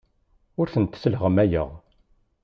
Ur tent-sleɣmayeɣ.